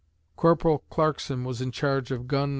Corporal Clarkson was in charge of gun No.